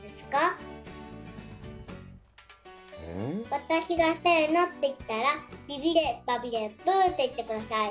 わたしが「せの」って言ったら「ビビデバビデブー」って言ってください。